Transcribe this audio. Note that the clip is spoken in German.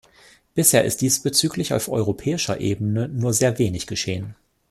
Bisher ist diesbezüglich auf europäischer Ebene nur sehr wenig geschehen.